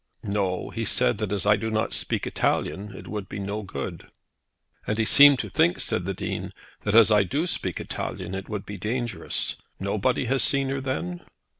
"No. He said that as I do not speak Italian it would be no good." "And he seemed to think," said the Dean, "that as I do speak Italian it would be dangerous. Nobody has seen her then?"